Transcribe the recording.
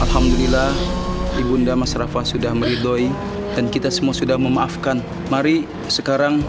alhamdulillah ibunda mas rafa sudah meridoi dan kita semua sudah memaafkan mari sekarang